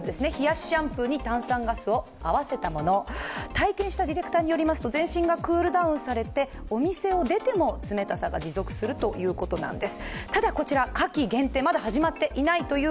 体験したディレクターによりますと、全身がクールダウンされてお店を出ても冷たさが持続するということなんです。